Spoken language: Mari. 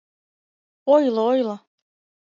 Ойло, ойло.